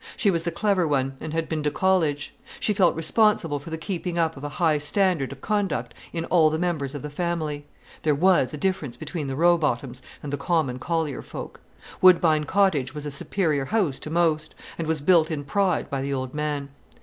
She was the clever one, and had been to college. She felt responsible for the keeping up of a high standard of conduct in all the members of the family. There was a difference between the Rowbothams and the common collier folk. Woodbine Cottage was a superior house to most—and was built in pride by the old man.